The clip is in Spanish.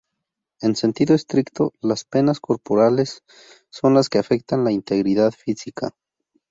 En sentido estricto, las penas corporales son las que afectan a la integridad física.